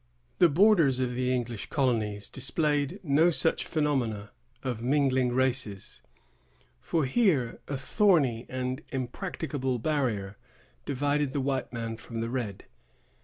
The borders of the English colonies displayed no such phenomena of mingling races; for here a thorny and impracticable barrier divided the white man from the red.